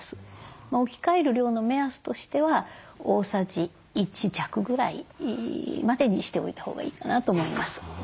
置き換える量の目安としては大さじ１弱ぐらいまでにしておいたほうがいいかなと思います。